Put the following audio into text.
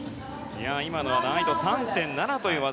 今のは難易度３．７という技。